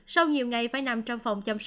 sau nhiều ngày phải nằm trong phòng châu âu